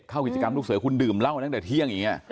เข้ากิจกรรมลูกเสือคุณดื่มเหล้ากันตั้งแต่เที่ยงอย่างนี้